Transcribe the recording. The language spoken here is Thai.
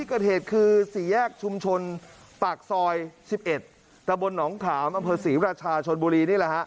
รถตู้หัวร้อนบอกว่านี่